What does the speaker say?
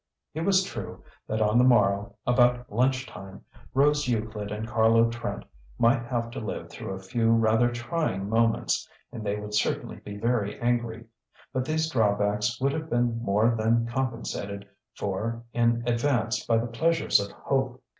It was true that on the morrow, about lunch time, Rose Euclid and Carlo Trent might have to live through a few rather trying moments, and they would certainly be very angry; but these drawbacks would have been more than compensated for in advance by the pleasures of hope.